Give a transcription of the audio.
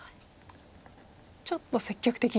ちょっと積極的に。